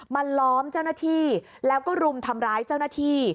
ล้อมเจ้าหน้าที่แล้วก็รุมทำร้ายเจ้าหน้าที่